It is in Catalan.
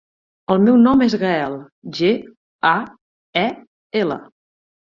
El meu nom és Gael: ge, a, e, ela.